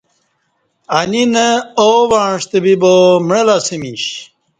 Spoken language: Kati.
ا نی نہ او وعݩستہ بِیبا معلہ اسہ میش۔